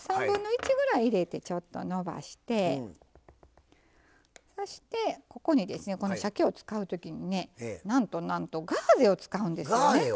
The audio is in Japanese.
３分の１ぐらい入れてちょっとのばしてそしてここにこのしゃけを使う時にねなんとなんとガーゼを使うんですよね。